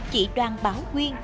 chỉ đoàn báo quyên